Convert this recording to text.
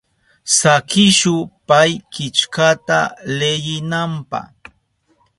Sakishu pay killkata leyinanpa.